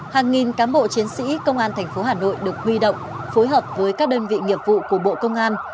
hàng nghìn cán bộ chiến sĩ công an thành phố hà nội được huy động phối hợp với các đơn vị nghiệp vụ của bộ công an